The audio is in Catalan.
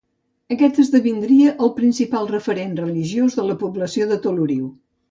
Aquest esdevindria el principal referent religiós de la població de Toloriu.